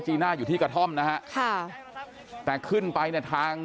อยากจะได้เจอลูกอยากจะกอดอยากจะหอมลูกอยากจะเห็นจริง